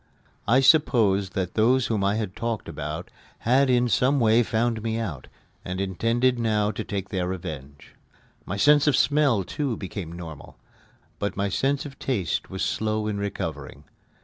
I supposed that those whom I had talked about had in some way found me out, and intended now to take their revenge. My sense of smell, too, became normal; but my sense of taste was slow in recovering.